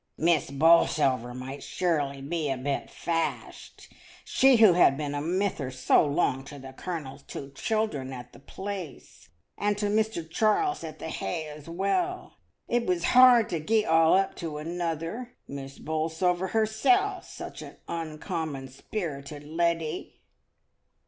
"Miss Bolsover might surely be a bit fashed; she who had been a mither so long to the Colonel's two children at the Place and to Mr. Charles at the Ha' as well; it was hard to gi' all up to another — and Miss Bolsover hersel' such an uncommon spirited leddy."